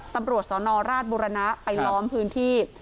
ตำรวจสนราชบุรณะไปล้อมพื้นที่